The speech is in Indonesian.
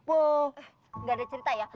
eh gak ada cerita ya